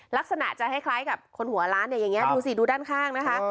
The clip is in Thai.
ลักษณะจะคล้ายกับคนหัวล้านเนี่ยอย่างนี้ดูสิดูด้านข้างนะคะ